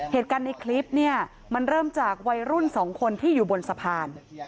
เหตุการณ์ในคลิปเนี่ยมันเริ่มจากวัยรุ่นสองคนที่อยู่บนสะพาน